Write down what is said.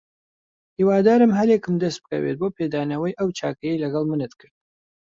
هیوادارم هەلێکم دەست بکەوێت بۆ پێدانەوەی ئەو چاکەیەی لەگەڵ منت کرد.